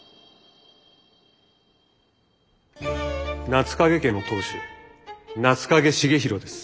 夏影家の当主夏影重弘です。